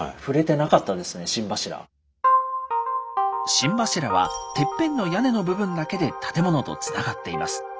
心柱はてっぺんの屋根の部分だけで建物とつながっています。